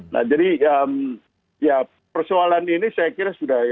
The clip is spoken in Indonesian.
nah jadi ya persoalan ini saya kira sudah